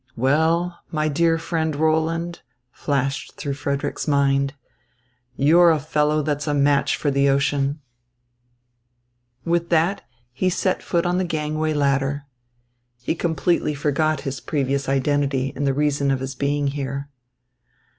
"Well, my dear friend Roland," flashed through Frederick's mind, "you're a fellow that's a match for the ocean." With that he set foot on the gangway ladder. He completely forgot his previous identity and the reason of his being here.